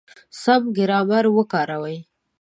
سم ګرامر وکاروئ!